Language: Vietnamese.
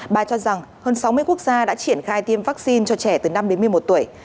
bà cho rằng hơn sáu mươi quốc gia đã triển khai tiêm vaccine cho trẻ từ năm đến một mươi một tuổi